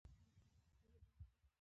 ایا ستاسو ټیلیفون به ځواب شي؟